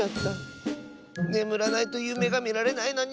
ねむらないとゆめがみられないのに！